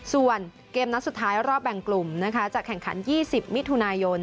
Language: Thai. ส่วนเกมนัดสุดท้ายรอบแบ่งกลุ่มนะคะจะแข่งขัน๒๐มิถุนายน